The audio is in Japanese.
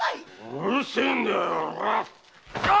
うるせえんだよ！